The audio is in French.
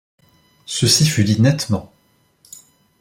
Ceci fut dit nettement.